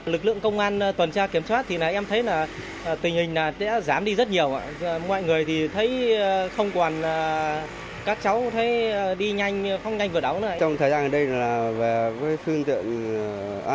lực lượng công an tuần tra kiểm tra thì em thấy tình hình đã giảm đi rất nhiều mọi người thấy không còn các cháu đi nhanh phóng nhanh vượt ấu nữa